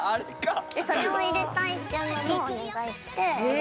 でそれを入れたいっていうのもお願いして。